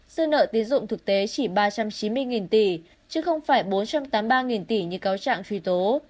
dư nợ tiến dụng thực tế chỉ ba trăm chín mươi tỷ chứ không phải bốn trăm tám mươi ba tỷ như cáo trạng truy tố